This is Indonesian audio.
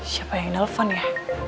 siapa yang nelfon ya